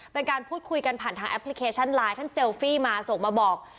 เป็นการพูดคุยกันผ่านทางแอปพลิเคชันไลน์ท่านเซลฟี่มาส่งมาบอก